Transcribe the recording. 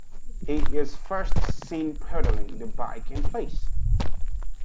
He is first seen pedaling the bike in place.